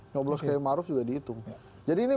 nyoblos kayak maruf juga dihitung jadi ini